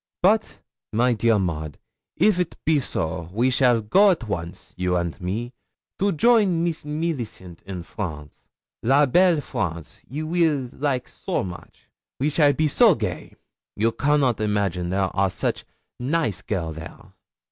'But, my dear Maud, if't be so, we shall go at once, you and me, to join Meess Millicent in France. La belle France! You weel like so moche! We shall be so gay. You cannot imagine there are such naice girl there.